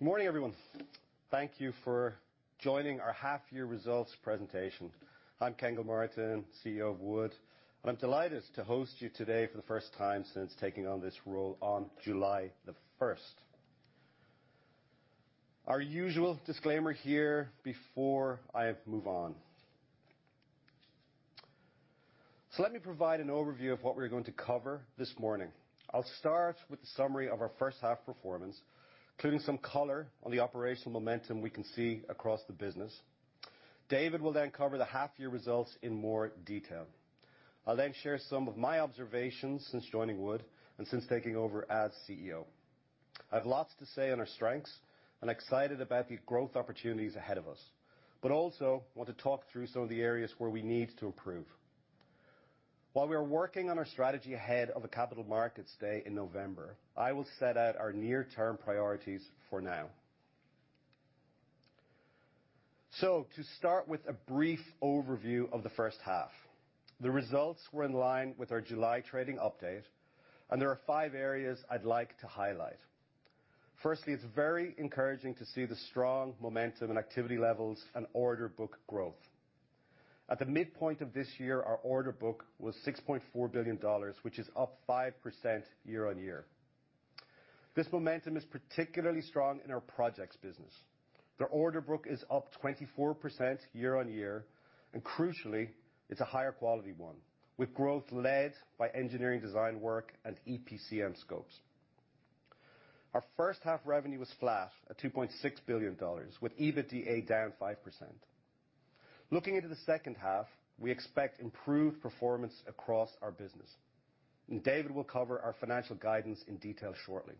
Good morning, everyone. Thank you for joining our half year results presentation. I'm Ken Gilmartin, CEO of Wood, and I'm delighted to host you today for the first time since taking on this role on July the 1st. Our usual disclaimer here before I move on. Let me provide an overview of what we are going to cover this morning. I'll start with a summary of our first half performance, including some color on the operational momentum we can see across the business. David will then cover the half year results in more detail. I'll then share some of my observations since joining Wood and since taking over as CEO. I have lots to say on our strengths and excited about the growth opportunities ahead of us, but also want to talk through some of the areas where we need to improve. While we are working on our strategy ahead of a Capital Markets Day in November, I will set out our near-term priorities for now. To start with a brief overview of the first half, the results were in line with our July trading update, and there are five areas I'd like to highlight. Firstly, it's very encouraging to see the strong momentum in activity levels and order book growth. At the midpoint of this year, our order book was $6.4 billion, which is up 5% year-on-year. This momentum is particularly strong in our projects business. Their order book is up 24% year-on-year, and crucially, it's a higher quality one, with growth led by engineering design work and EPCM scopes. Our first half revenue was flat at $2.6 billion, with EBITDA down 5%. Looking into the second half, we expect improved performance across our business, and David will cover our financial guidance in detail shortly.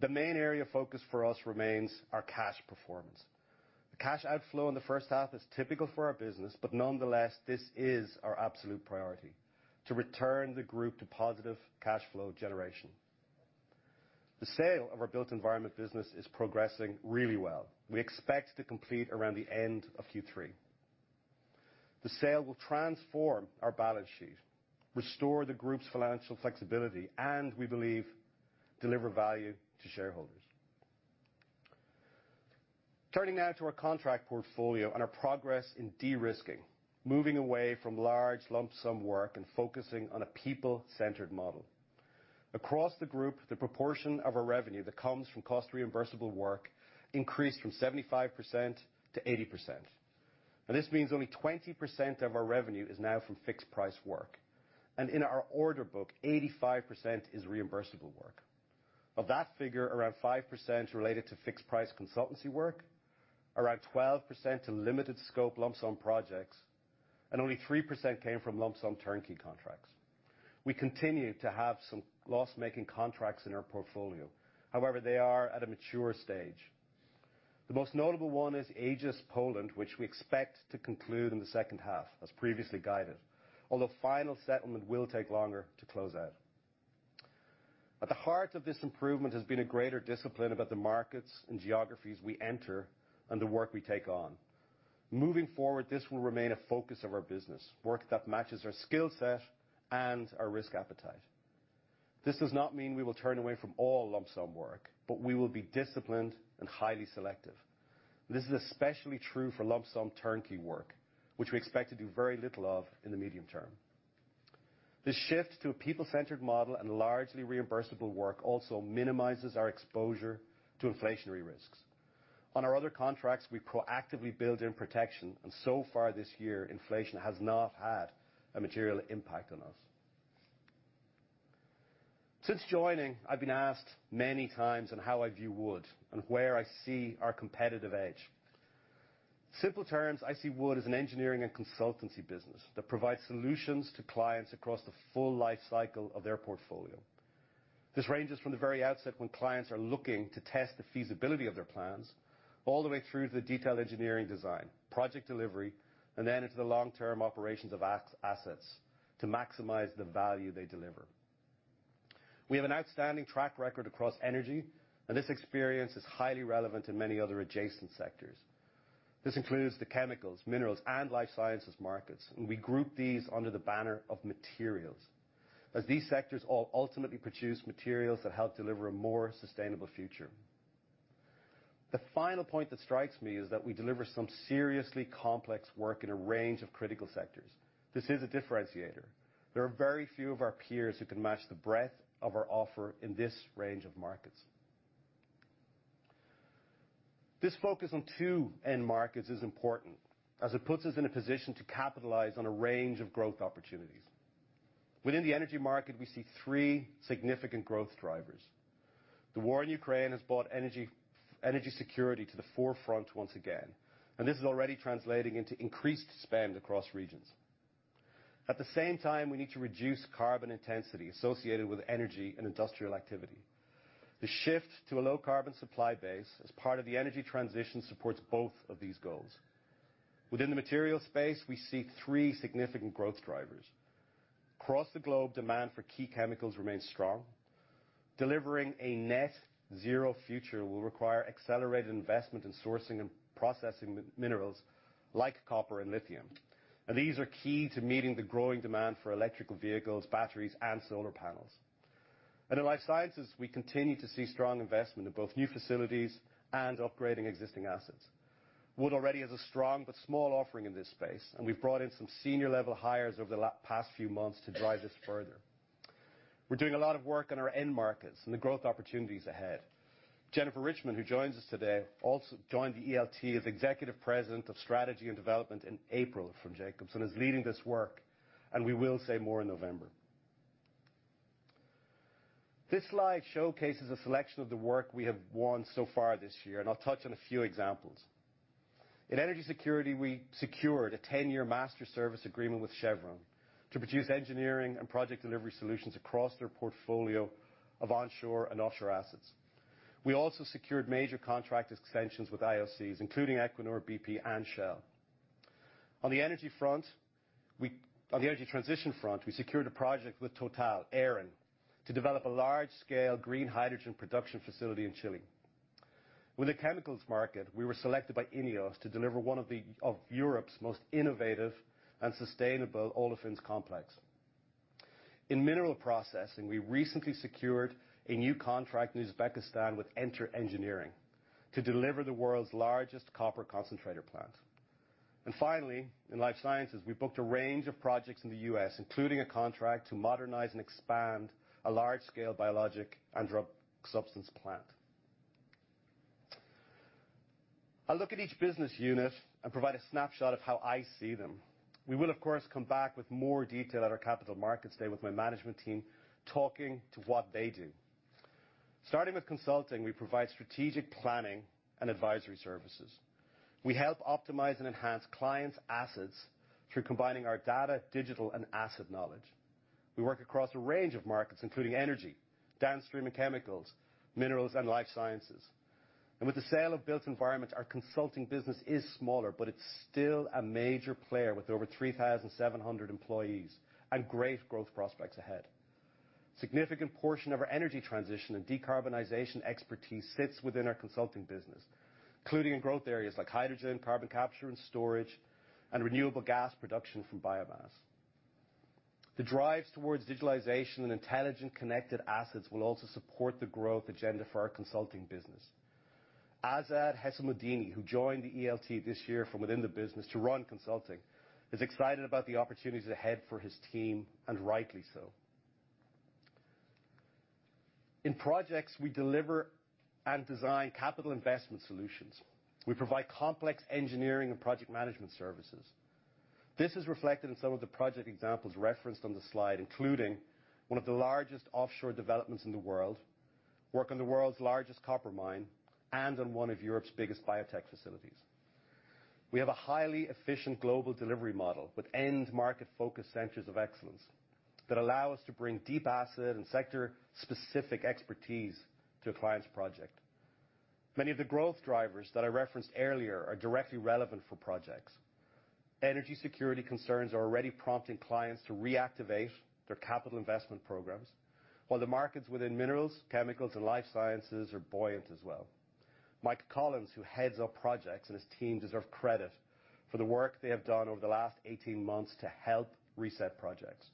The main area of focus for us remains our cash performance. The cash outflow in the first half is typical for our business, but nonetheless, this is our absolute priority, to return the group to positive cash flow generation. The sale of our Built Environment business is progressing really well. We expect to complete around the end of Q3. The sale will transform our balance sheet, restore the group's financial flexibility, and we believe deliver value to shareholders. Turning now to our contract portfolio and our progress in de-risking, moving away from large lump-sum work and focusing on a people-centered model. Across the group, the proportion of our revenue that comes from cost-reimbursable work increased from 75% to 80%. This means only 20% of our revenue is now from fixed price work, and in our order book, 85% is reimbursable work. Of that figure, around 5% related to fixed price consultancy work, around 12% to limited scope lump sum projects, and only 3% came from lump sum turnkey contracts. We continue to have some loss-making contracts in our portfolio. However, they are at a mature stage. The most notable one is Aegis Poland, which we expect to conclude in the second half as previously guided, although final settlement will take longer to close out. At the heart of this improvement has been a greater discipline about the markets and geographies we enter and the work we take on. Moving forward, this will remain a focus of our business, work that matches our skill set and our risk appetite. This does not mean we will turn away from all lump sum work, but we will be disciplined and highly selective. This is especially true for lump-sum turnkey work, which we expect to do very little of in the medium term. This shift to a people-centered model and largely reimbursable work also minimizes our exposure to inflationary risks. On our other contracts, we proactively build in protection, and so far this year, inflation has not had a material impact on us. Since joining, I've been asked many times on how I view Wood and where I see our competitive edge. In simple terms, I see Wood as an engineering and consultancy business that provides solutions to clients across the full life cycle of their portfolio. This ranges from the very outset when clients are looking to test the feasibility of their plans all the way through to the detailed engineering design, project delivery, and then into the long-term operations of assets to maximize the value they deliver. We have an outstanding track record across energy, and this experience is highly relevant in many other adjacent sectors. This includes the chemicals, minerals, and life sciences markets, and we group these under the banner of materials, as these sectors all ultimately produce materials that help deliver a more sustainable future. The final point that strikes me is that we deliver some seriously complex work in a range of critical sectors. This is a differentiator. There are very few of our peers who can match the breadth of our offer in this range of markets. This focus on two end markets is important, as it puts us in a position to capitalize on a range of growth opportunities. Within the energy market, we see three significant growth drivers. The war in Ukraine has brought energy security to the forefront once again, and this is already translating into increased spend across regions. At the same time, we need to reduce carbon intensity associated with energy and industrial activity. The shift to a low carbon supply base as part of the energy transition supports both of these goals. Within the material space, we see three significant growth drivers. Across the globe, demand for key chemicals remains strong. Delivering a net zero future will require accelerated investment in sourcing and processing minerals like copper and lithium. These are key to meeting the growing demand for electrical vehicles, batteries, and solar panels. In life sciences, we continue to see strong investment in both new facilities and upgrading existing assets. Wood already has a strong but small offering in this space, and we've brought in some senior level hires over the past few months to drive this further. We're doing a lot of work on our end markets and the growth opportunities ahead. Jennifer Richmond, who joins us today, also joined the ELT as Executive President of Strategy and Development in April from Jacobs and is leading this work, and we will say more in November. This slide showcases a selection of the work we have won so far this year, and I'll touch on a few examples. In energy security, we secured a 10-year master service agreement with Chevron to produce engineering and project delivery solutions across their portfolio of onshore and offshore assets. We also secured major contract extensions with IOCs, including Equinor, BP, and Shell. On the energy transition front, we secured a project with Total Eren to develop a large-scale green hydrogen production facility in Chile. With the chemicals market, we were selected by INEOS to deliver one of Europe's most innovative and sustainable olefins complex. In mineral processing, we recently secured a new contract in Uzbekistan with Enter Engineering to deliver the world's largest copper concentrator plant. Finally, in life sciences, we booked a range of projects in the U.S., including a contract to modernize and expand a large-scale biologic and drug substance plant. I'll look at each business unit and provide a snapshot of how I see them. We will, of course, come back with more detail at our Capital Markets Day with my management team, talking to what they do. Starting with consulting, we provide strategic planning and advisory services. We help optimize and enhance clients' assets through combining our data, digital, and asset knowledge. We work across a range of markets, including energy, downstream and chemicals, minerals, and life sciences. With the sale of Built Environment, our consulting business is smaller, but it's still a major player with over 3,700 employees and great growth prospects ahead. Significant portion of our energy transition and decarbonization expertise sits within our consulting business, including in growth areas like hydrogen, carbon capture and storage, and renewable gas production from biomass. The drives towards digitalization and intelligent connected assets will also support the growth agenda for our consulting business. Azad Hessamoddini, who joined the ELT this year from within the business to run consulting, is excited about the opportunities ahead for his team, and rightly so. In Projects, we deliver and design capital investment solutions. We provide complex engineering and project management services. This is reflected in some of the project examples referenced on the slide, including one of the largest offshore developments in the world, work on the world's largest copper mine, and on one of Europe's biggest biotech facilities. We have a highly efficient global delivery model with end market-focused centers of excellence that allow us to bring deep asset and sector-specific expertise to a client's project. Many of the growth drivers that I referenced earlier are directly relevant for Projects. Energy security concerns are already prompting clients to reactivate their capital investment programs, while the markets within minerals, chemicals, and life sciences are buoyant as well. Mike Collins, who heads up Projects, and his team deserve credit for the work they have done over the last 18 months to help reset Projects.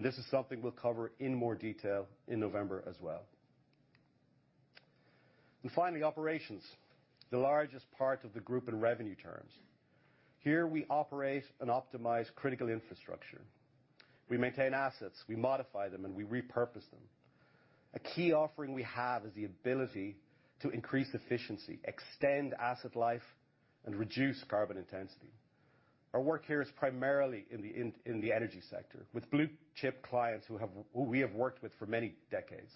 This is something we'll cover in more detail in November as well. Finally, Operations, the largest part of the group in revenue terms. Here we operate and optimize critical infrastructure. We maintain assets, we modify them, and we repurpose them. A key offering we have is the ability to increase efficiency, extend asset life, and reduce carbon intensity. Our work here is primarily in the energy sector with blue-chip clients who we have worked with for many decades.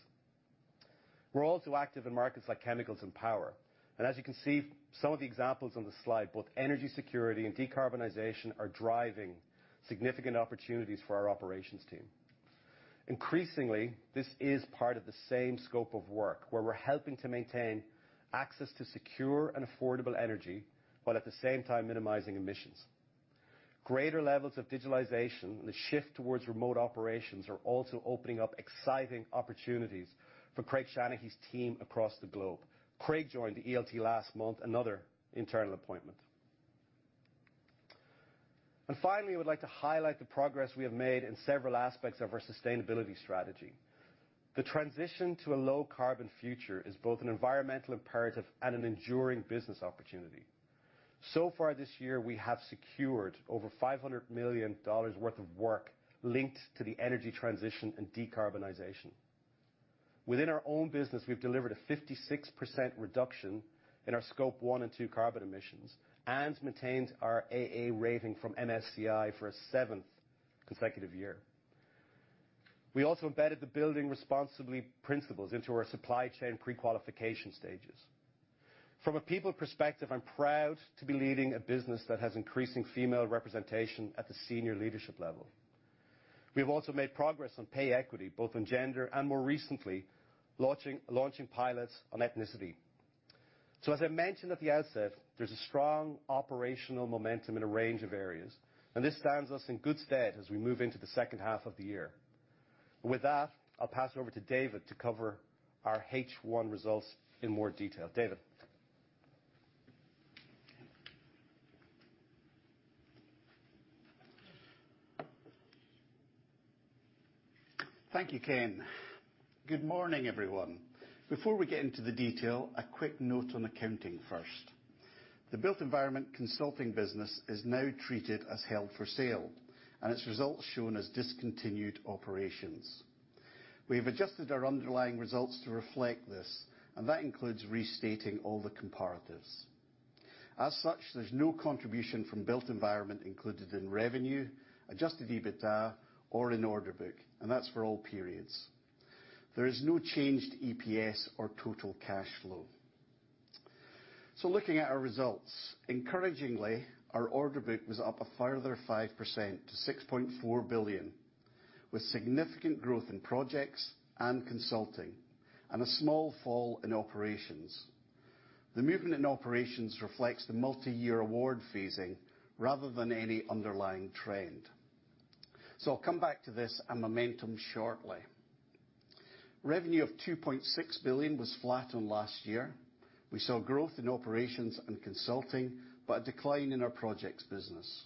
We're also active in markets like chemicals and power, and as you can see some of the examples on the slide, both energy security and decarbonization are driving significant opportunities for our Operations team. Increasingly, this is part of the same scope of work where we're helping to maintain access to secure and affordable energy, while at the same time minimizing emissions. Greater levels of digitalization and the shift towards remote operations are also opening up exciting opportunities for Craig Shanaghey's team across the globe. Craig Shanaghey joined the ELT last month, another internal appointment. Finally, we'd like to highlight the progress we have made in several aspects of our sustainability strategy. The transition to a low carbon future is both an environmental imperative and an enduring business opportunity. So far this year, we have secured over $500 million worth of work linked to the energy transition and decarbonization. Within our own business, we've delivered a 56% reduction in our Scope 1 and 2 carbon emissions and maintained our AA rating from MSCI for a seventh consecutive year. We also embedded the Building Responsibly principles into our supply chain pre-qualification stages. From a people perspective, I'm proud to be leading a business that has increasing female representation at the senior leadership level. We have also made progress on pay equity, both on gender and more recently, launching pilots on ethnicity. As I mentioned at the outset, there's a strong operational momentum in a range of areas, and this stands us in good stead as we move into the second half of the year. With that, I'll pass it over to David to cover our H1 results in more detail. David? Thank you, Ken. Good morning, everyone. Before we get into the detail, a quick note on accounting first. The Built Environment consulting business is now treated as held for sale, and its results shown as discontinued operations. We have adjusted our underlying results to reflect this, and that includes restating all the comparatives. As such, there's no contribution from Built Environment included in revenue, Adjusted EBITDA or in order book, and that's for all periods. There is no change to EPS or total cash flow. Looking at our results, encouragingly, our order book was up a further 5% to $6.4 billion, with significant growth in Projects and Consulting, and a small fall in Operations. The movement in Operations reflects the multiyear award phasing rather than any underlying trend. I'll come back to this and momentum shortly. Revenue of $2.6 billion was flat on last year. We saw growth in operations and consulting, but a decline in our projects business.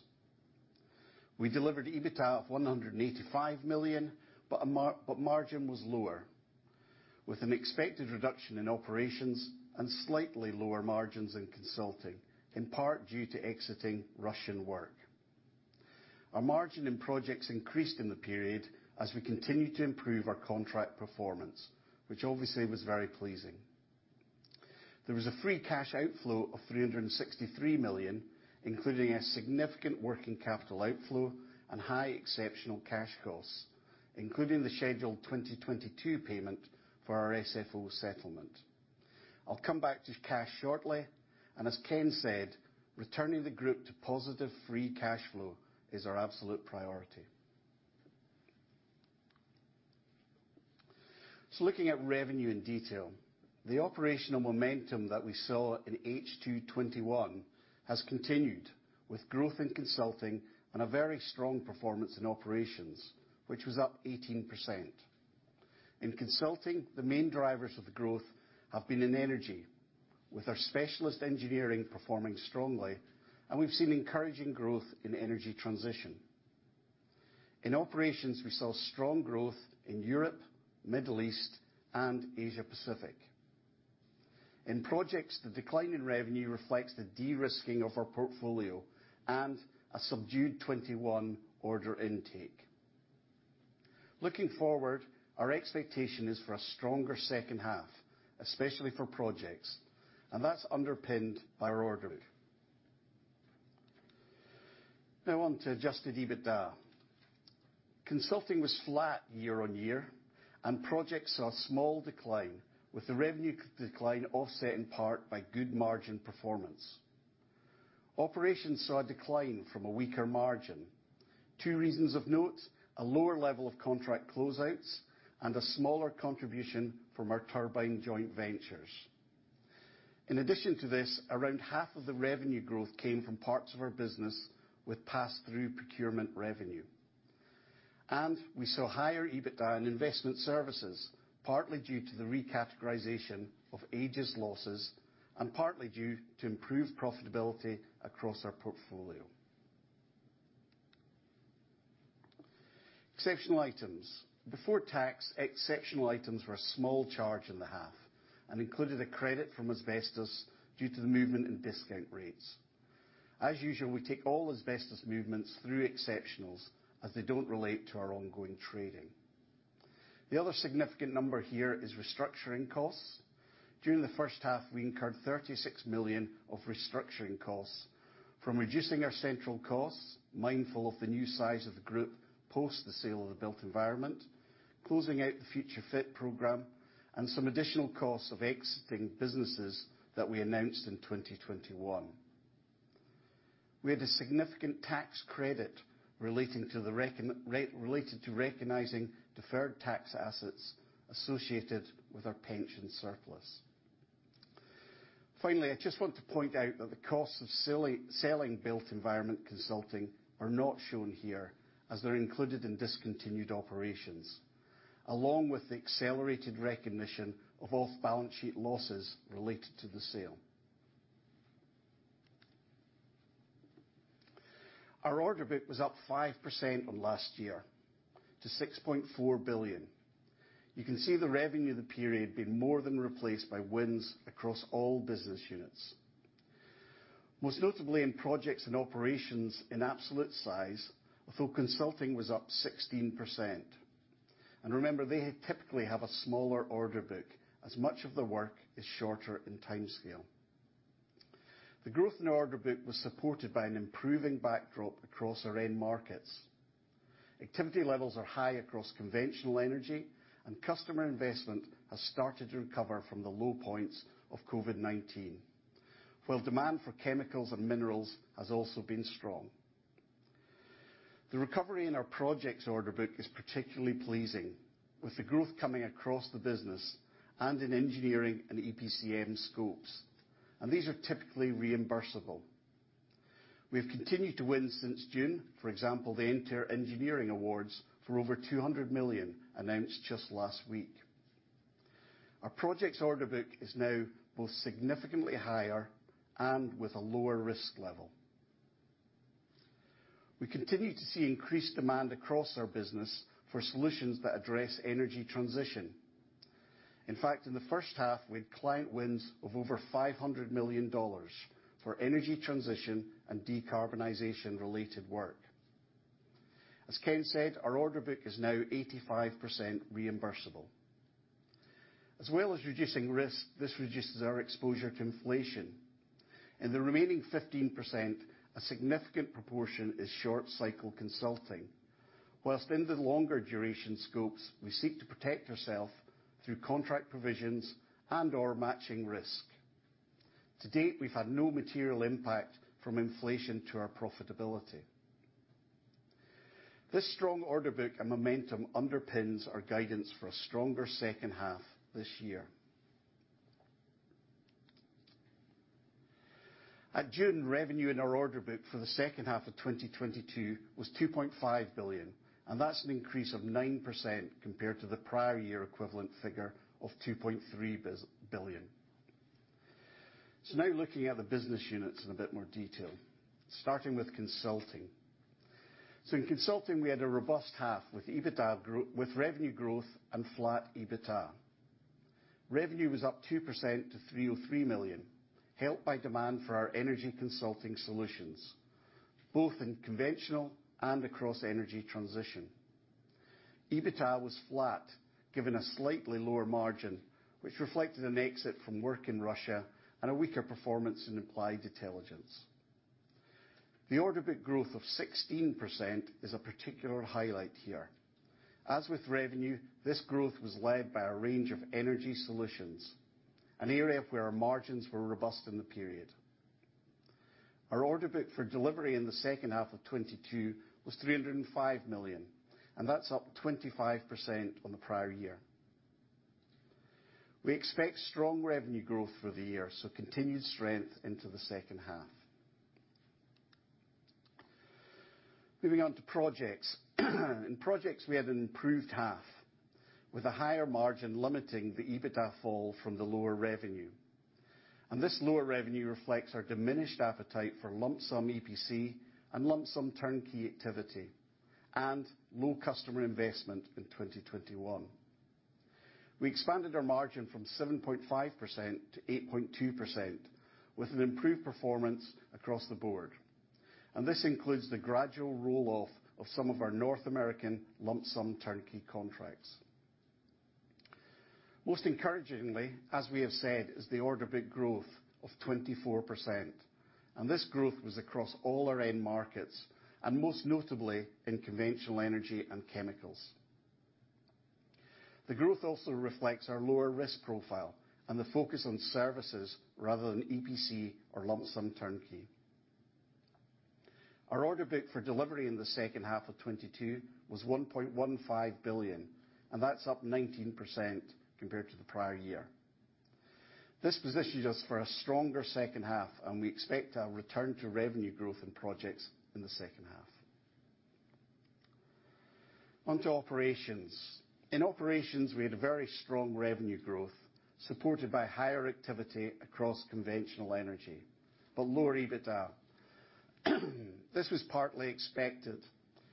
We delivered EBITDA of $185 million, but margin was lower, with an expected reduction in operations and slightly lower margins in consulting, in part due to exiting Russian work. Our margin in projects increased in the period as we continued to improve our contract performance, which obviously was very pleasing. There was a free cash outflow of $363 million, including a significant working capital outflow and high exceptional cash costs, including the scheduled 2022 payment for our SFO settlement. I'll come back to cash shortly, and as Ken said, returning the group to positive free cash flow is our absolute priority. Looking at revenue in detail, the operational momentum that we saw in H2 2021 has continued with growth in consulting and a very strong performance in operations, which was up 18%. In consulting, the main drivers of the growth have been in energy, with our specialist engineering performing strongly, and we've seen encouraging growth in energy transition. In operations, we saw strong growth in Europe, Middle East, and Asia Pacific. In projects, the decline in revenue reflects the de-risking of our portfolio and a subdued 2021 order intake. Looking forward, our expectation is for a stronger second half, especially for projects, and that's underpinned by our order book. Now on to Adjusted EBITDA. Consulting was flat year-on-year, and projects saw a small decline, with the revenue decline offset in part by good margin performance. Operations saw a decline from a weaker margin. Two reasons of note, a lower level of contract closeouts and a smaller contribution from our turbine joint ventures. In addition to this, around half of the revenue growth came from parts of our business with pass-through procurement revenue. We saw higher EBITDA in investment services, partly due to the recategorization of Aegis losses and partly due to improved profitability across our portfolio. Exceptional items. Before tax, exceptional items were a small charge in the half and included a credit from asbestos due to the movement in discount rates. As usual, we take all asbestos movements through exceptionals, as they don't relate to our ongoing trading. The other significant number here is restructuring costs. During the first half, we incurred $36 million of restructuring costs from reducing our central costs, mindful of the new size of the group post the sale of the Built Environment, closing out the Future Fit program and some additional costs of exiting businesses that we announced in 2021. We had a significant tax credit relating to the recognition of deferred tax assets associated with our pension surplus. Finally, I just want to point out that the costs of selling Built Environment Consulting are not shown here, as they're included in discontinued operations, along with the accelerated recognition of off-balance-sheet losses related to the sale. Our order book was up 5% on last year to $6.4 billion. You can see the revenue of the period being more than replaced by wins across all business units, most notably in Projects and Operations in absolute size, although Consulting was up 16%. Remember, they typically have a smaller order book, as much of the work is shorter in timescale. The growth in the order book was supported by an improving backdrop across our end markets. Activity levels are high across conventional energy, and customer investment has started to recover from the low points of COVID-19, while demand for chemicals and minerals has also been strong. The recovery in our Projects order book is particularly pleasing, with the growth coming across the business and in engineering and EPCM scopes, and these are typically reimbursable. We have continued to win since June, for example, the Enter Engineering award for over $200 million, announced just last week. Our project order book is now both significantly higher and with a lower risk level. We continue to see increased demand across our business for solutions that address energy transition. In fact, in the first half, we had client wins of over $500 million for energy transition and decarbonization-related work. As Ken said, our order book is now 85% reimbursable. As well as reducing risk, this reduces our exposure to inflation. In the remaining 15%, a significant proportion is short cycle consulting. While in the longer duration scopes, we seek to protect ourselves through contract provisions and/or matching risk. To date, we've had no material impact from inflation to our profitability. This strong order book and momentum underpins our guidance for a stronger second half this year. At June, revenue in our order book for the second half of 2022 was $2.5 billion, and that's an increase of 9% compared to the prior year equivalent figure of $2.3 billion. Now looking at the business units in a bit more detail, starting with consulting. In consulting, we had a robust half with revenue growth and flat EBITDA. Revenue was up 2% to $303 million, helped by demand for our energy consulting solutions, both in conventional and across energy transition. EBITDA was flat, given a slightly lower margin, which reflected an exit from work in Russia and a weaker performance in Applied Intelligence. The order book growth of 16% is a particular highlight here. As with revenue, this growth was led by a range of energy solutions, an area where our margins were robust in the period. Our order book for delivery in the second half of 2022 was $305 million, and that's up 25% on the prior year. We expect strong revenue growth for the year, so continued strength into the second half. Moving on to projects. In projects, we had an improved half, with a higher margin limiting the EBITDA fall from the lower revenue. This lower revenue reflects our diminished appetite for lump-sum EPC and lump-sum turnkey activity, and low customer investment in 2021. We expanded our margin from 7.5% to 8.2%, with an improved performance across the board. This includes the gradual roll-off of some of our North American lump-sum turnkey contracts. Most encouragingly, as we have said, is the order book growth of 24%, and this growth was across all our end markets, and most notably in conventional energy and chemicals. The growth also reflects our lower risk profile and the focus on services rather than EPC or lump-sum turnkey. Our order book for delivery in the second half of 2022 was $1.15 billion, and that's up 19% compared to the prior year. This positions us for a stronger second half, and we expect a return to revenue growth in projects in the second half. On to operations. In operations, we had a very strong revenue growth, supported by higher activity across conventional energy, but lower EBITDA. This was partly expected.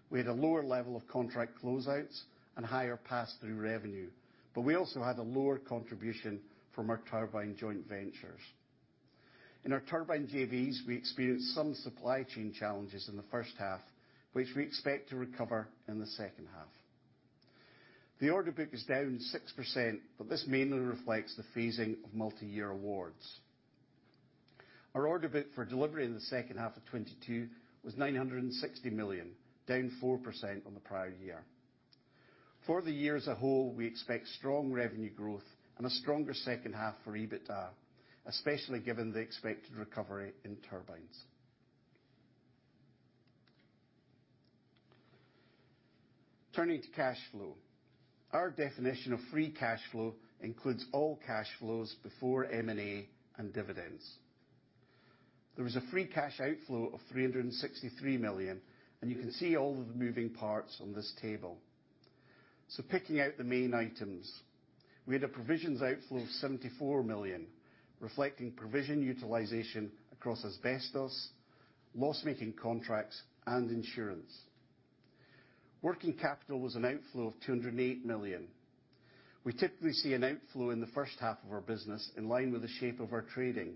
We had a lower level of contract closeouts and higher pass-through revenue, but we also had a lower contribution from our turbine joint ventures. In our turbine JVs, we experienced some supply chain challenges in the first half, which we expect to recover in the second half. The order book is down 6%, but this mainly reflects the phasing of multiyear awards. Our order book for delivery in the second half of 2022 was $960 million, down 4% on the prior year. For the year as a whole, we expect strong revenue growth and a stronger second half for EBITDA, especially given the expected recovery in turbines. Turning to cash flow. Our definition of free cash flow includes all cash flows before M&A and dividends. There was a free cash outflow of $363 million, and you can see all of the moving parts on this table. Picking out the main items. We had a provisions outflow of $74 million, reflecting provision utilization across asbestos, loss-making contracts, and insurance. Working capital was an outflow of $208 million. We typically see an outflow in the first half of our business in line with the shape of our trading.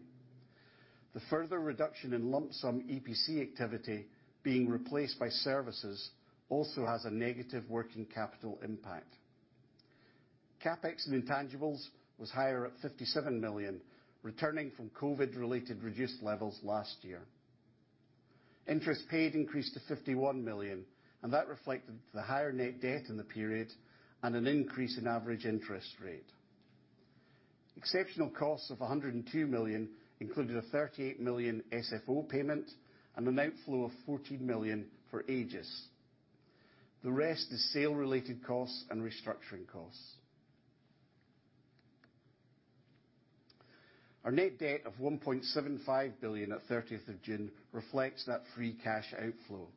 The further reduction in lump-sum EPC activity being replaced by services also has a negative working capital impact. CapEx in intangibles was higher at $57 million, returning from COVID-19-related reduced levels last year. Interest paid increased to $51 million, and that reflected the higher net debt in the period and an increase in average interest rate. Exceptional costs of $102 million included a $38 million SFO payment and an outflow of $14 million for Aegis. The rest is sale-related costs and restructuring costs. Our net debt of $1.75 billion at 30th of June reflects that free cash outflow.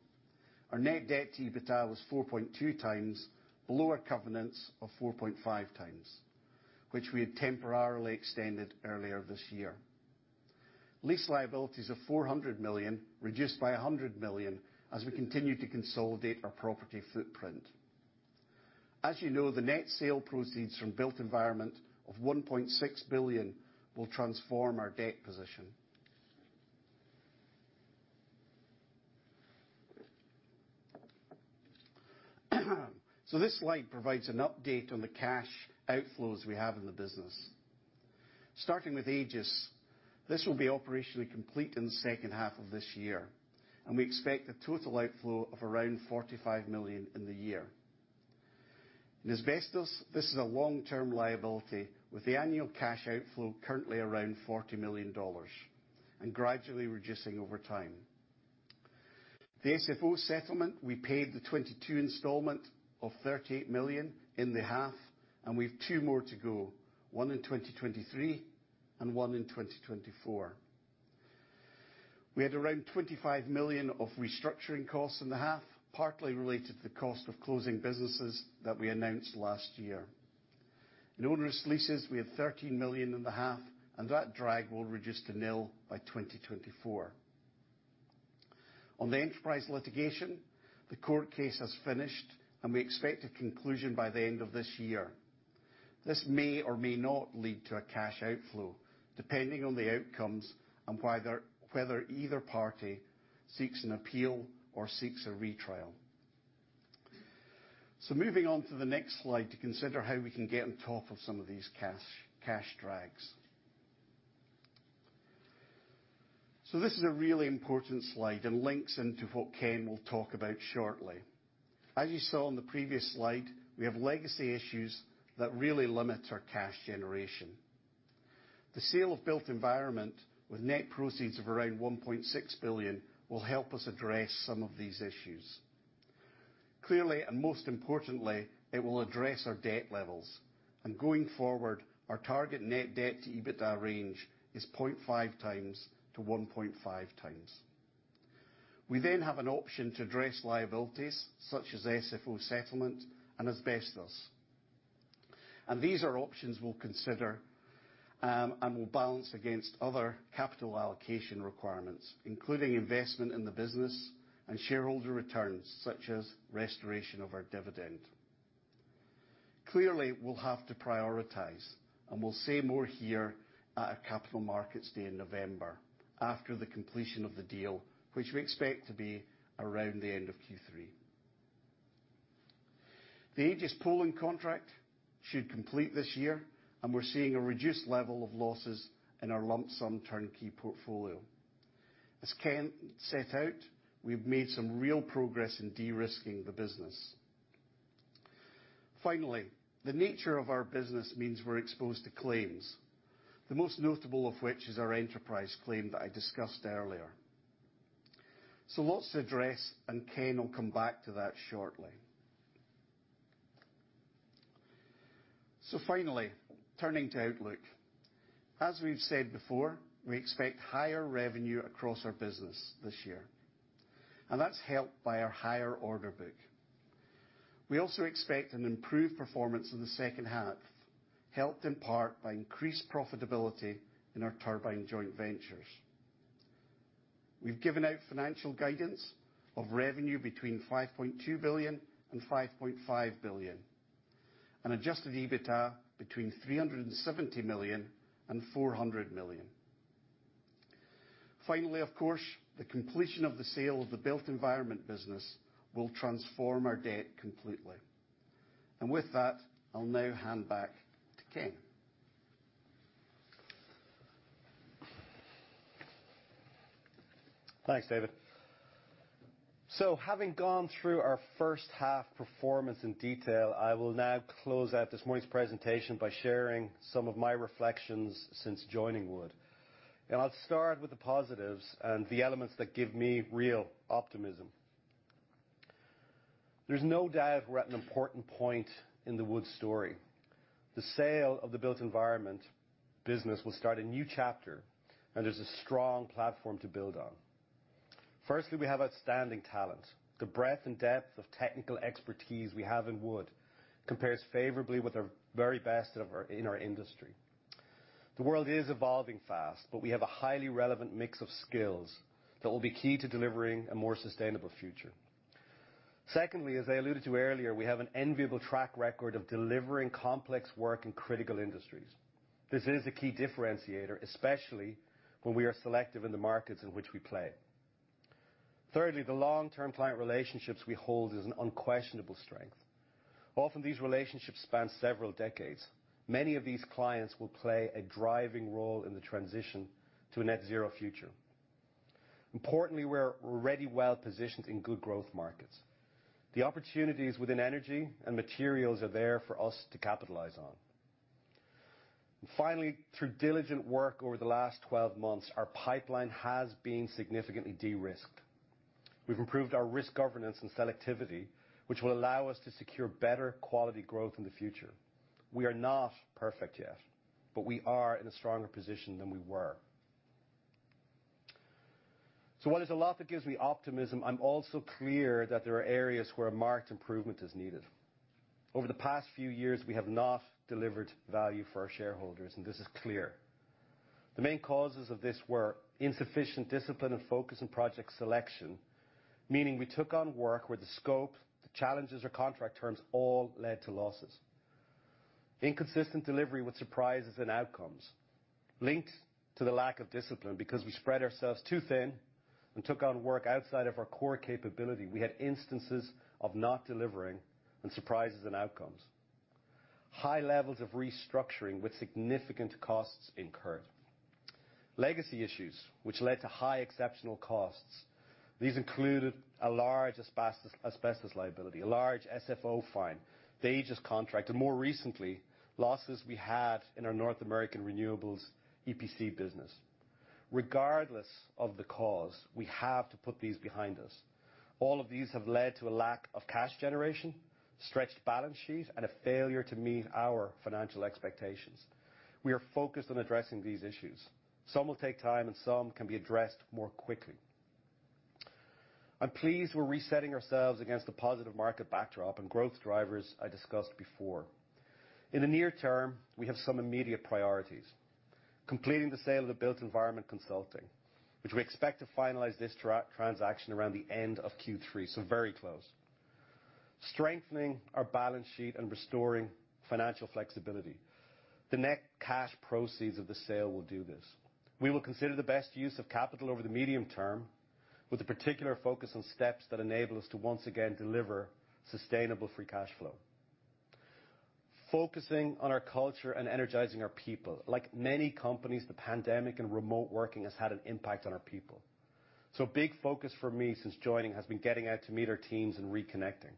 Our net debt to EBITDA was 4.2x below our covenants of 4.5x, which we had temporarily extended earlier this year. Lease liabilities of $400 million, reduced by $100 million as we continue to consolidate our property footprint. As you know, the net sale proceeds from Built Environment of $1.6 billion will transform our debt position. This slide provides an update on the cash outflows we have in the business. Starting with Aegis, this will be operationally complete in the second half of this year, and we expect a total outflow of around $45 million in the year. In asbestos, this is a long-term liability with the annual cash outflow currently around $40 million and gradually reducing over time. The SFO settlement, we paid the 22 installment of $38 million in the half, and we have two more to go, one in 2023 and one in 2024. We had around $25 million of restructuring costs in the half, partly related to the cost of closing businesses that we announced last year. In onerous leases, we had $13 million in the half, and that drag will reduce to nil by 2024. On the enterprise litigation, the court case has finished, and we expect a conclusion by the end of this year. This may or may not lead to a cash outflow, depending on the outcomes and whether either party seeks an appeal or seeks a retrial. Moving on to the next slide to consider how we can get on top of some of these cash drags. This is a really important slide and links into what Ken will talk about shortly. As you saw on the previous slide, we have legacy issues that really limit our cash generation. The sale of Built Environment with net proceeds of around $1.6 billion will help us address some of these issues. Clearly, and most importantly, it will address our debt levels, and going forward, our target net debt to EBITDA range is 0.5x-1.5x. We then have an option to address liabilities such as SFO settlement and asbestos. These are options we'll consider, and will balance against other capital allocation requirements, including investment in the business and shareholder returns such as restoration of our dividend. Clearly, we'll have to prioritize, and we'll say more here at our Capital Markets Day in November after the completion of the deal, which we expect to be around the end of Q3. The Aegis Poland contract should complete this year, and we're seeing a reduced level of losses in our lump-sum turnkey portfolio. As Ken set out, we've made some real progress in de-risking the business. Finally, the nature of our business means we're exposed to claims, the most notable of which is our enterprise claim that I discussed earlier. Lots to address, and Ken will come back to that shortly. Finally, turning to outlook. As we've said before, we expect higher revenue across our business this year, and that's helped by our higher order book. We also expect an improved performance in the second half, helped in part by increased profitability in our turbine joint ventures. We've given out financial guidance of revenue between $5.2 billion and $5.5 billion, and Adjusted EBITDA between $370 million and $400 million. Finally, of course, the completion of the sale of the Built Environment business will transform our debt completely. With that, I'll now hand back to Ken. Thanks, David. Having gone through our first half performance in detail, I will now close out this morning's presentation by sharing some of my reflections since joining Wood. I'll start with the positives and the elements that give me real optimism. There's no doubt we're at an important point in the Wood story. The sale of the Built Environment business will start a new chapter, and there's a strong platform to build on. Firstly, we have outstanding talent. The breadth and depth of technical expertise we have in Wood compares favorably with the very best in our industry. The world is evolving fast, but we have a highly relevant mix of skills that will be key to delivering a more sustainable future. Secondly, as I alluded to earlier, we have an enviable track record of delivering complex work in critical industries. This is a key differentiator, especially when we are selective in the markets in which we play. Thirdly, the long-term client relationships we hold is an unquestionable strength. Often, these relationships span several decades. Many of these clients will play a driving role in the transition to a net zero future. Importantly, we're already well-positioned in good growth markets. The opportunities within energy and materials are there for us to capitalize on. And finally, through diligent work over the last 12 months, our pipeline has been significantly de-risked. We've improved our risk governance and selectivity, which will allow us to secure better quality growth in the future. We are not perfect yet, but we are in a stronger position than we were. While there's a lot that gives me optimism, I'm also clear that there are areas where marked improvement is needed. Over the past few years, we have not delivered value for our shareholders, and this is clear. The main causes of this were insufficient discipline and focus in project selection, meaning we took on work where the scope, the challenges, or contract terms all led to losses. Inconsistent delivery with surprises and outcomes linked to the lack of discipline. Because we spread ourselves too thin and took on work outside of our core capability, we had instances of not delivering and surprises in outcomes. High levels of restructuring with significant costs incurred. Legacy issues which led to high exceptional costs. These included a large asbestos liability, a large SFO fine, the Aegis contract, and more recently, losses we had in our North American renewables EPC business. Regardless of the cause, we have to put these behind us. All of these have led to a lack of cash generation, stretched balance sheet, and a failure to meet our financial expectations. We are focused on addressing these issues. Some will take time, and some can be addressed more quickly. I'm pleased we're resetting ourselves against the positive market backdrop and growth drivers I discussed before. In the near term, we have some immediate priorities. Completing the sale of the Built Environment Consulting, which we expect to finalize this transaction around the end of Q3, so very close. Strengthening our balance sheet and restoring financial flexibility. The net cash proceeds of the sale will do this. We will consider the best use of capital over the medium term, with a particular focus on steps that enable us to once again deliver sustainable free cash flow. Focusing on our culture and energizing our people. Like many companies, the pandemic and remote working has had an impact on our people, so a big focus for me since joining has been getting out to meet our teams and reconnecting.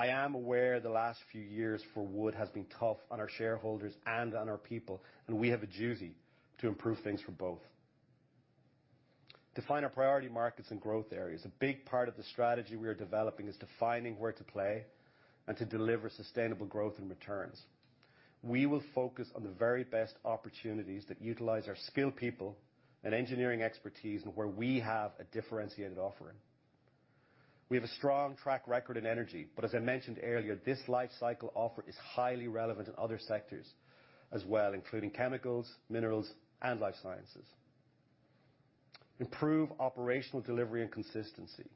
I am aware the last few years for Wood has been tough on our shareholders and on our people, and we have a duty to improve things for both. Define our priority markets and growth areas. A big part of the strategy we are developing is defining where to play and to deliver sustainable growth and returns. We will focus on the very best opportunities that utilize our skilled people and engineering expertise and where we have a differentiated offering. We have a strong track record in energy, but as I mentioned earlier, this life cycle offer is highly relevant in other sectors as well, including chemicals, minerals, and life sciences. Improve operational delivery and consistency.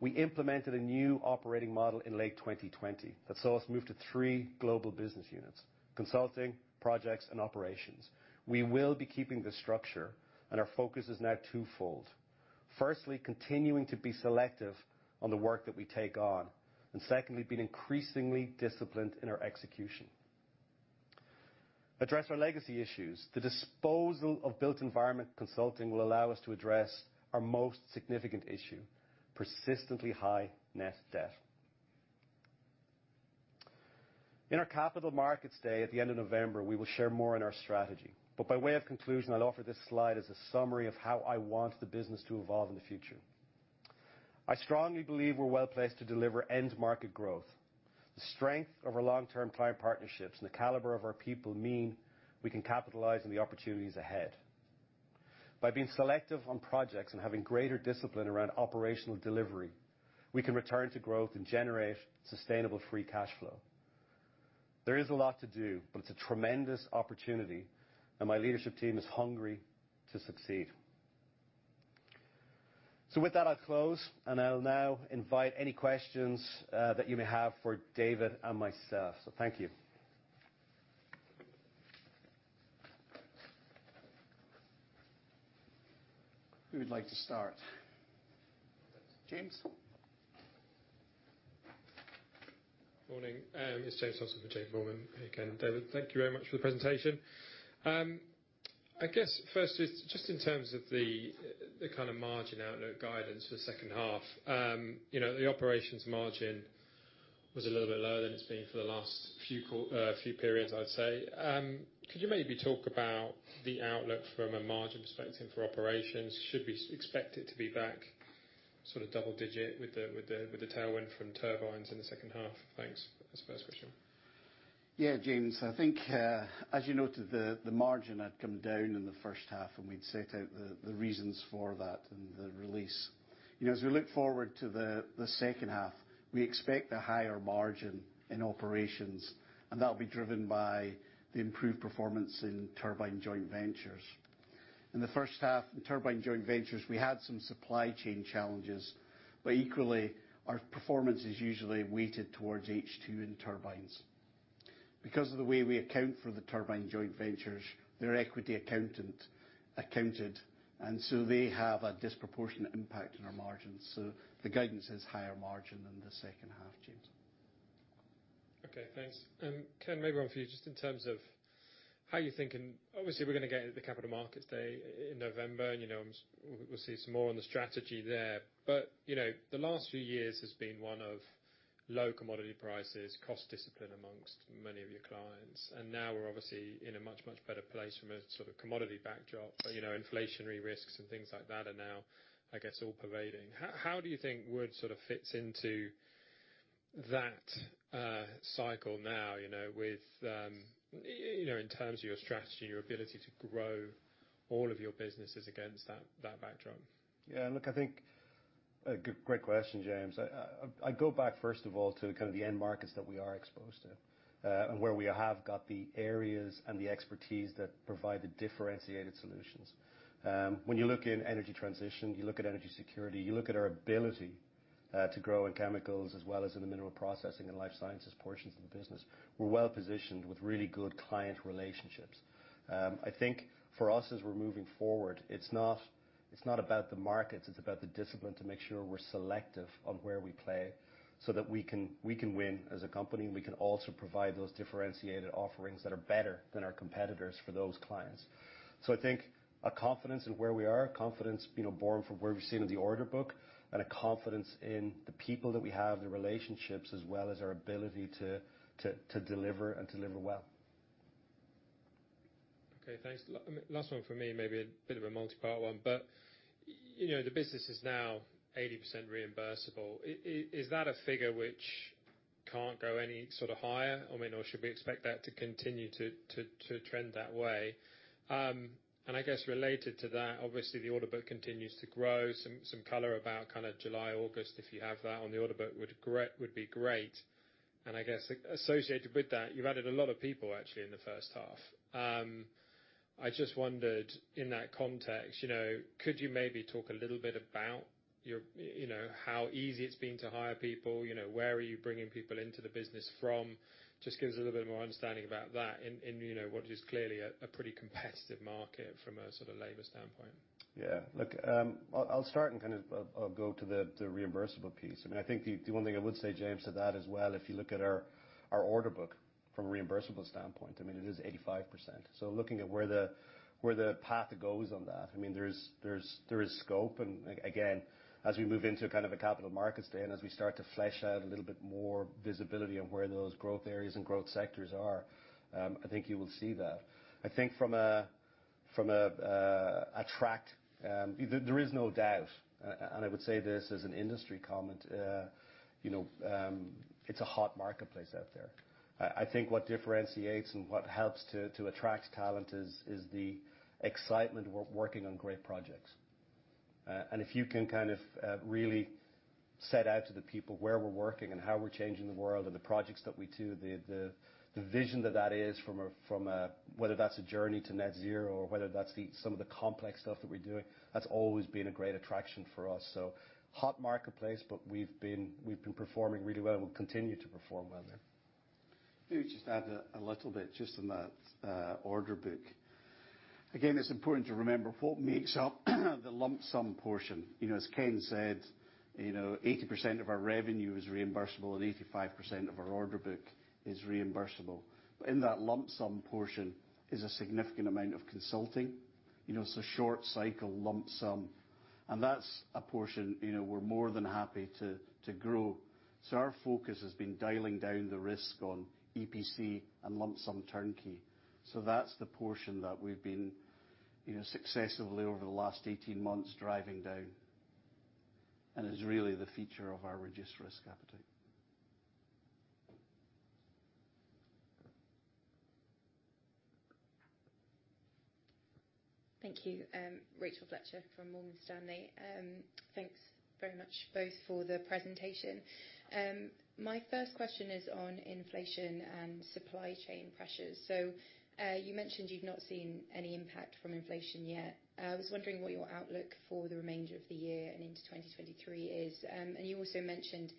We implemented a new operating model in late 2020 that saw us move to three global business units, Consulting, Projects, and Operations. We will be keeping this structure, and our focus is now twofold, firstly, continuing to be selective on the work that we take on, and secondly, being increasingly disciplined in our execution. Address our legacy issues. The disposal of Built Environment Consulting will allow us to address our most significant issue, persistently high net debt. In our Capital Markets Day at the end of November, we will share more on our strategy. By way of conclusion, I'd offer this slide as a summary of how I want the business to evolve in the future. I strongly believe we're well-placed to deliver end market growth. The strength of our long-term client partnerships and the caliber of our people mean we can capitalize on the opportunities ahead. By being selective on projects and having greater discipline around operational delivery, we can return to growth and generate sustainable free cash flow. There is a lot to do, but it's a tremendous opportunity, and my leadership team is hungry to succeed. With that, I'll close, and I'll now invite any questions that you may have for David and myself. Thank you. Who would like to start? James? Morning, it's James Wilson from JPMorgan. Ken, David, thank you very much for the presentation. I guess firstly, just in terms of the kind of margin outlook guidance for the second half, you know, the operations margin was a little bit lower than it's been for the last few periods, I'd say. Could you maybe talk about the outlook from a margin perspective for operations? Should we expect it to be back sort of double digit with the tailwind from turbines in the second half? Thanks. That's the first question. Yeah, James, I think, as you noted, the margin had come down in the first half, and we'd set out the reasons for that in the release. You know, as we look forward to the second half, we expect a higher margin in operations, and that'll be driven by the improved performance in turbine joint ventures. In the first half, in turbine joint ventures, we had some supply chain challenges, but equally, our performance is usually weighted towards H2 in turbines. Because of the way we account for the turbine joint ventures, they're equity accounted, and so they have a disproportionate impact on our margins. The guidance is higher margin in the second half, James. Okay, thanks. Ken, maybe one for you, just in terms of how you're thinking. Obviously, we're gonna get the Capital Markets Day in November, and you know, we'll see some more on the strategy there. You know, the last few years has been one of low commodity prices, cost discipline among many of your clients, and now we're obviously in a much, much better place from a sort of commodity backdrop. You know, inflationary risks and things like that are now, I guess, all pervading. How do you think Wood sort of fits into that cycle now, you know, with you know, in terms of your strategy and your ability to grow all of your businesses against that backdrop? Yeah. Look, I think a great question, James. I go back first of all to kind of the end markets that we are exposed to, and where we have got the areas and the expertise that provide the differentiated solutions. When you look in energy transition, you look at energy security, you look at our ability to grow in chemicals as well as in the mineral processing and life sciences portions of the business, we're well-positioned with really good client relationships. I think for us as we're moving forward, it's not about the markets, it's about the discipline to make sure we're selective on where we play so that we can win as a company, and we can also provide those differentiated offerings that are better than our competitors for those clients. I think a confidence in where we are, a confidence, you know, borne from where we've seen in the order book, and a confidence in the people that we have, the relationships, as well as our ability to deliver and deliver well. Okay, thanks. I mean, last one from me, maybe a bit of a multipart one, but, you know, the business is now 80% reimbursable. Is that a figure which can't go any sort of higher, I mean, or should we expect that to continue to trend that way? And I guess related to that, obviously the order book continues to grow. Some color about kind of July, August, if you have that on the order book would be great. And I guess associated with that, you've added a lot of people actually in the first half. I just wondered in that context, you know, could you maybe talk a little bit about your, you know, how easy it's been to hire people? You know, where are you bringing people into the business from? Just give us a little bit more understanding about that in, you know, what is clearly a pretty competitive market from a sort of labor standpoint. Yeah. Look, I'll start and kind of go to the reimbursable piece. I mean, I think the one thing I would say, James, to that as well, if you look at our order book from a reimbursable standpoint, I mean, it is 85%. Looking at where the path goes on that, I mean, there is scope and again, as we move into kind of a Capital Markets Day and as we start to flesh out a little bit more visibility on where those growth areas and growth sectors are, I think you will see that. I think from that, there is no doubt, and I would say this as an industry comment, you know, it's a hot marketplace out there. I think what differentiates and what helps to attract talent is the excitement working on great projects. If you can kind of really set out to the people where we're working and how we're changing the world and the projects that we do, the vision that is from a whether that's a journey to net zero or whether that's some of the complex stuff that we're doing, that's always been a great attraction for us. Hot marketplace, but we've been performing really well. We'll continue to perform well there. Maybe just add a little bit just on that order book. Again, it's important to remember what makes up the lump-sum portion. You know, as Ken said, you know, 80% of our revenue is reimbursable and 85% of our order book is reimbursable. In that lump-sum portion is a significant amount of consulting. You know, so short cycle, lump-sum, and that's a portion, you know, we're more than happy to grow. Our focus has been dialing down the risk on EPC and lump-sum turnkey. That's the portion that we've been, you know, successfully over the last 18 months driving down, and is really the feature of our reduced risk appetite. Thank you. Rachel Fletcher from Morgan Stanley. Thanks very much both for the presentation. My first question is on inflation and supply chain pressures. You mentioned you've not seen any impact from inflation yet. I was wondering what your outlook for the remainder of the year and into 2023 is. You also mentioned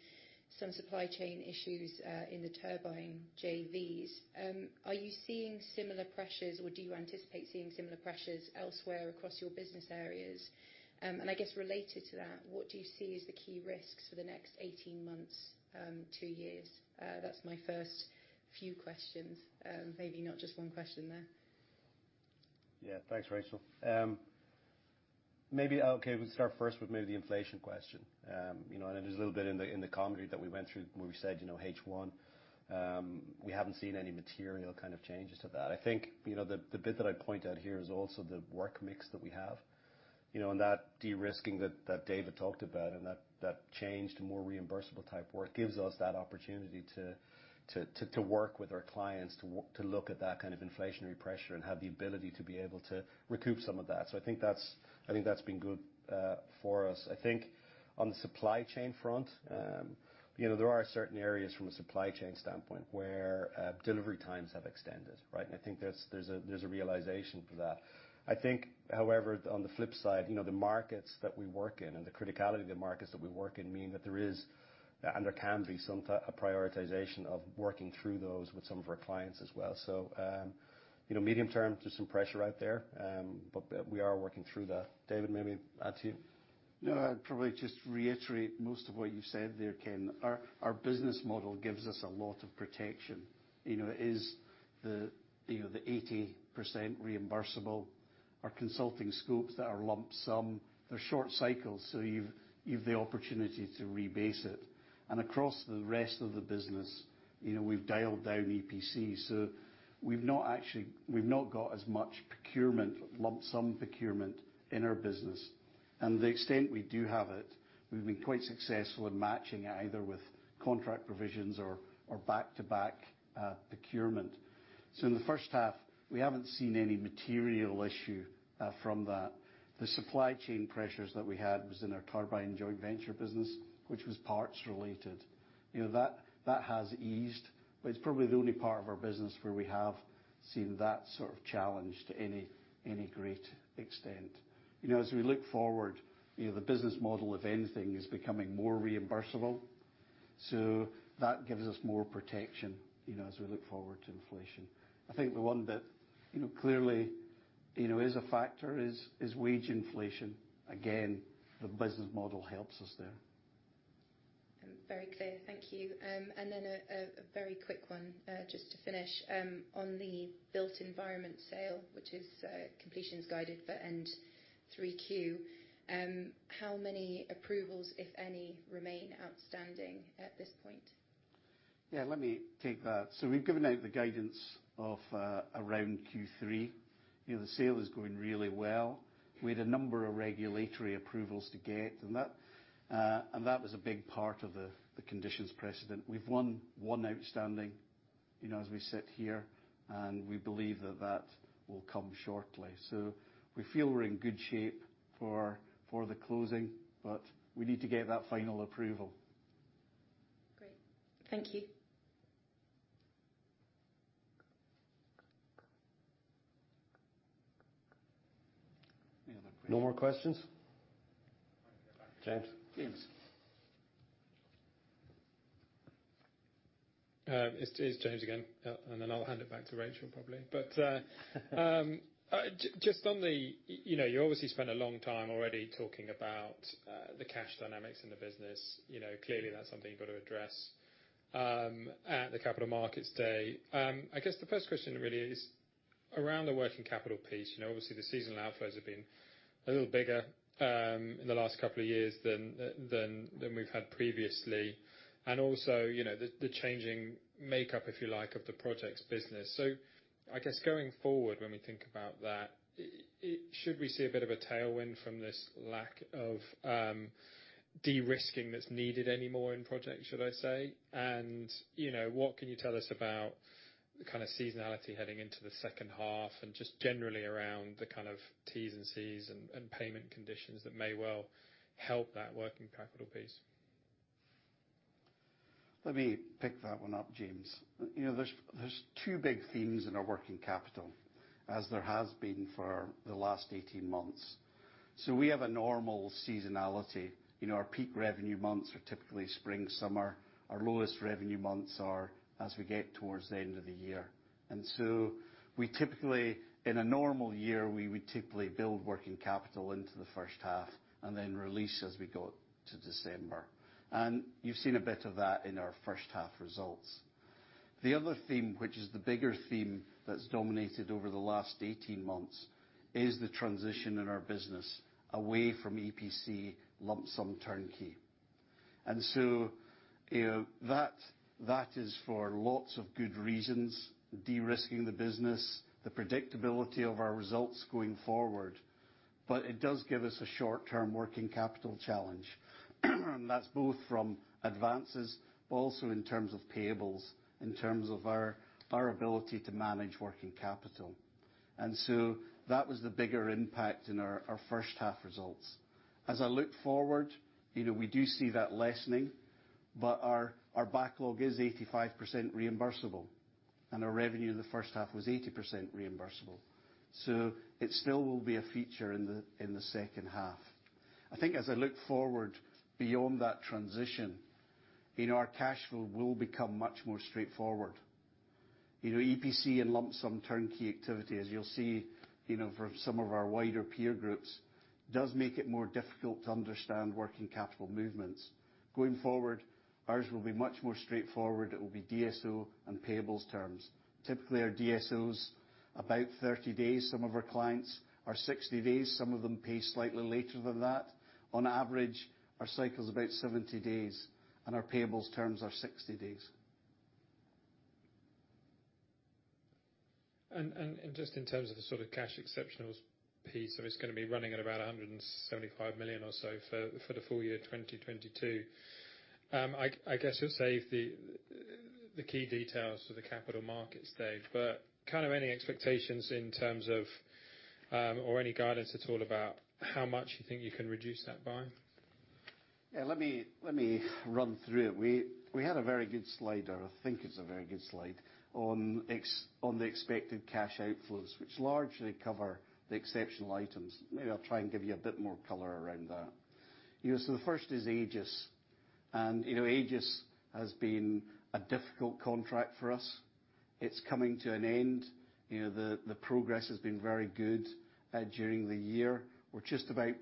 some supply chain issues in the turbine JVs. Are you seeing similar pressures, or do you anticipate seeing similar pressures elsewhere across your business areas? I guess related to that, what do you see as the key risks for the next 18 months, two years? That's my first few questions. Maybe not just one question there. Yeah. Thanks, Rachel. Maybe, okay, we'll start first with maybe the inflation question. You know, it is a little bit in the commentary that we went through where we said, you know, H1, we haven't seen any material kind of changes to that. I think, you know, the bit that I'd point out here is also the work mix that we have, you know, and that de-risking that David talked about and that change to more reimbursable type work gives us that opportunity to work with our clients, to look at that kind of inflationary pressure and have the ability to be able to recoup some of that. I think that's been good for us. I think on the supply chain front, you know, there are certain areas from a supply chain standpoint where delivery times have extended, right? I think there's a realization for that. I think, however, on the flip side, you know, the markets that we work in and the criticality of the markets that we work in mean that there is and there can be some prioritization of working through those with some of our clients as well. You know, medium term, there's some pressure out there, but we are working through that. David, maybe add to that. No, I'd probably just reiterate most of what you've said there, Ken. Our business model gives us a lot of protection. You know, it is the 80% reimbursable. Our consulting scopes that are lump sum, they're short cycles, so you've the opportunity to rebase it. Across the rest of the business, you know, we've dialed down EPC, so we've not got as much procurement, lump sum procurement in our business. The extent we do have it, we've been quite successful in matching either with contract provisions or back-to-back procurement. In the first half, we haven't seen any material issue from that. The supply chain pressures that we had was in our turbine joint venture business, which was parts related. You know, that has eased. It's probably the only part of our business where we have seen that sort of challenge to any great extent. You know, as we look forward, you know, the business model of anything is becoming more reimbursable. That gives us more protection, you know, as we look forward to inflation. I think the one that, you know, clearly, you know, is a factor is wage inflation. Again, the business model helps us there. Very clear. Thank you. A very quick one, just to finish. On the Built Environment sale, which is completion is guided for end 3Q, how many approvals, if any, remain outstanding at this point? Yeah, let me take that. We've given out the guidance of around Q3. You know, the sale is going really well. We had a number of regulatory approvals to get, and that was a big part of the conditions precedent. We've one outstanding, you know, as we sit here, and we believe that will come shortly. We feel we're in good shape for the closing, but we need to get that final approval. Great. Thank you. Any other questions? No more questions. James. James. It's James again. I'll hand it back to Rachel, probably. Just on the, you know, you obviously spent a long time already talking about the cash dynamics in the business. You know, clearly, that's something you've got to address at the Capital Markets Day. I guess the first question really is around the working capital piece. You know, obviously, the seasonal outflows have been a little bigger in the last couple of years than we've had previously. Also, you know, the changing makeup, if you like, of the projects business. I guess going forward, when we think about that, should we see a bit of a tailwind from this lack of de-risking that's needed anymore in projects, should I say? You know, what can you tell us about the kind of seasonality heading into the second half and just generally around the kind of T's and C's and payment conditions that may well help that working capital piece? Let me pick that one up, James. You know, there's two big themes in our working capital, as there has been for the last 18 months. We have a normal seasonality. You know, our peak revenue months are typically spring, summer. Our lowest revenue months are as we get towards the end of the year. We typically, in a normal year, we would typically build working capital into the first half and then release as we got to December. You've seen a bit of that in our first half results. The other theme, which is the bigger theme that's dominated over the last 18 months, is the transition in our business away from EPC lump-sum turnkey. You know, that is for lots of good reasons, de-risking the business, the predictability of our results going forward. It does give us a short-term working capital challenge. That's both from advances, but also in terms of payables, in terms of our ability to manage working capital. That was the bigger impact in our first half results. As I look forward, you know, we do see that lessening, but our backlog is 85% reimbursable, and our revenue in the first half was 80% reimbursable. It still will be a feature in the second half. I think as I look forward beyond that transition, you know, our cash flow will become much more straightforward. You know, EPC and lump-sum turnkey activity, as you'll see, you know, for some of our wider peer groups, does make it more difficult to understand working capital movements. Going forward, ours will be much more straightforward. It will be DSO and payables terms. Typically, our DSO is about 30 days. Some of our clients are 60 days. Some of them pay slightly later than that. On average, our cycle is about 70 days, and our payables terms are 60 days. Just in terms of the sort of cash exceptionals piece, it's gonna be running at about $175 million or so for the full year 2022. I guess you'll save the key details for the Capital Markets Day. Kind of any expectations in terms of. Or any guidance at all about how much you think you can reduce that by? Yeah, let me run through it. We had a very good slide, or I think it's a very good slide, on the expected cash outflows, which largely cover the exceptional items. Maybe I'll try and give you a bit more color around that. You know, the first is Aegis. You know, Aegis has been a difficult contract for us. It's coming to an end. You know, the progress has been very good during the year. We're just about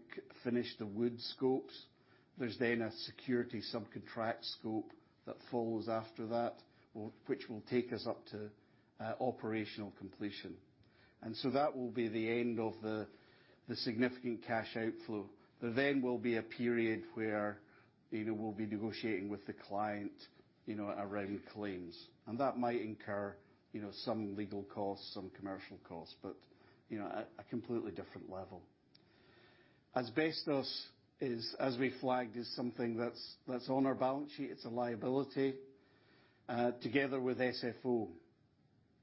finished the Wood scopes. There's then a security sub-contract scope that follows after that, which will take us up to operational completion. That will be the end of the significant cash outflow. There then will be a period where, you know, we'll be negotiating with the client, you know, around claims, and that might incur, you know, some legal costs, some commercial costs, but, you know, at a completely different level. Asbestos is, as we flagged, something that's on our balance sheet. It's a liability together with SFO.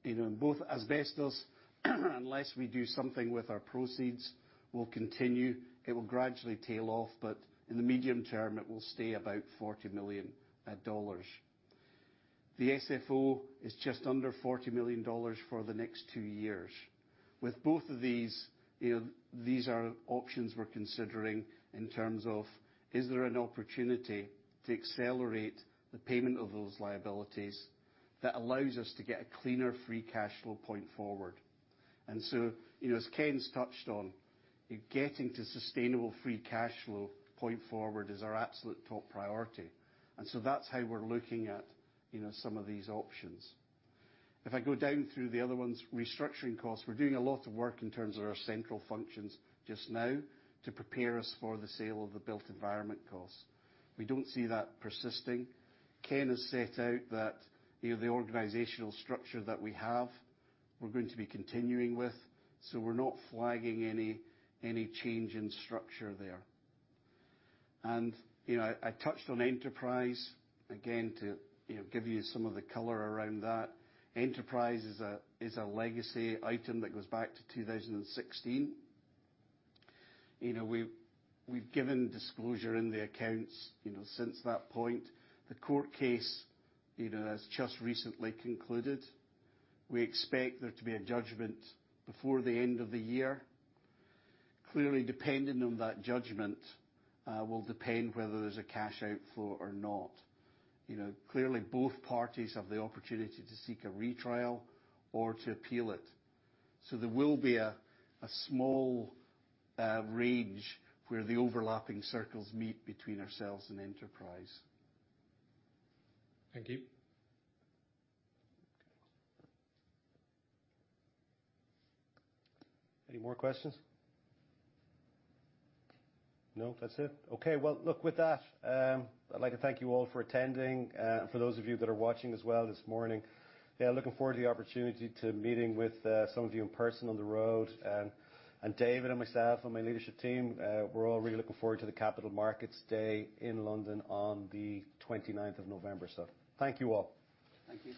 You know, both asbestos unless we do something with our proceeds, will continue. It will gradually tail off, but in the medium term it will stay about $40 million. The SFO is just under $40 million for the next two years. With both of these, you know, these are options we're considering in terms of, is there an opportunity to accelerate the payment of those liabilities that allows us to get a cleaner free cash flow point forward? You know, as Ken's touched on, getting to sustainable free cash flow point forward is our absolute top priority, and so that's how we're looking at, you know, some of these options. If I go down through the other ones, restructuring costs, we're doing a lot of work in terms of our central functions just now to prepare us for the sale of the Built Environment Consulting. We don't see that persisting. Ken has set out that, you know, the organizational structure that we have, we're going to be continuing with, so we're not flagging any change in structure there. You know, I touched on Enterprise. Again, to, you know, give you some of the color around that. Enterprise is a legacy item that goes back to 2016. You know, we've given disclosure in the accounts, you know, since that point. The court case, you know, has just recently concluded. We expect there to be a judgment before the end of the year. Clearly, dependent on that judgment, will depend whether there's a cash outflow or not. You know, clearly both parties have the opportunity to seek a retrial or to appeal it. There will be a small range where the overlapping circles meet between ourselves and Enterprise. Thank you. Any more questions? No, that's it? Okay. Well, look, with that, I'd like to thank you all for attending, for those of you that are watching as well this morning. Yeah, looking forward to the opportunity to meeting with, some of you in person on the road. David and myself and my leadership team, we're all really looking forward to the Capital Markets Day in London on the 29th of November. Thank you all. Thank you.